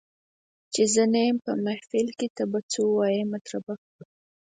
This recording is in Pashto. چي زه نه یم په محفل کي ته به څه وایې مطربه